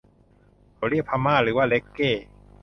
เค้าเรียกพม่าหรือว่าเร็กเก้ !